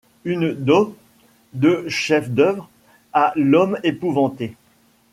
Une dot de chéfs-d'oeuvre à l'homme épouvanté